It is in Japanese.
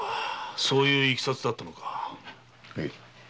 そういういきさつだったのか。